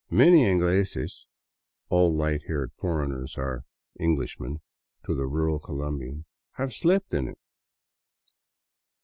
Many ingleses — all light haired foreigners are " Eng lishmen'* to the rural Colombian — have slept in it.